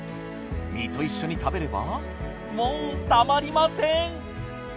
身と一緒に食べればもうたまりません。